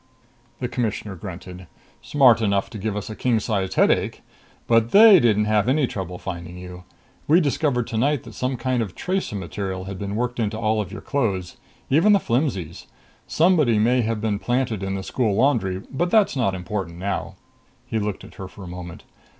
The Commissioner grunted. "Smart enough to give us a king sized headache! But they didn't have any trouble finding you. We discovered tonight that some kind of tracer material had been worked into all your clothes. Even the flimsies. Somebody may have been planted in the school laundry, but that's not important now." He looked at her for a moment.